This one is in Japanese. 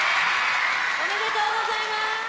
・おめでとうございます。